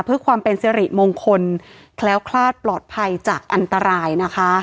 เพื่อความเป็นสิริมงคลแคล้วคลาดปลอดภัยจากอันตรายนะคะ